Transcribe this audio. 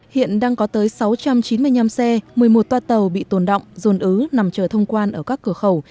hiện đang có tới sáu trăm chín mươi năm xe một mươi một toa tàu bị tồn động dồn ứ nằm chờ thông quan ở các cửa khẩu